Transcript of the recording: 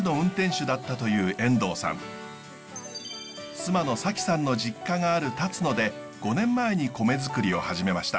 妻の沙希さんの実家があるたつので５年前に米づくりを始めました。